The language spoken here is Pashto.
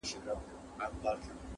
زما د عمرونو په خمار کي به نشه لګېږې -